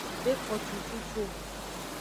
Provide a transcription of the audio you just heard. De ko cucucu o.